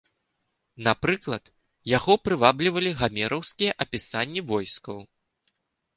Напрыклад, яго прываблівалі гамераўскія апісанні войскаў.